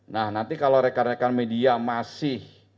nah nanti kalau rekan rekan media masih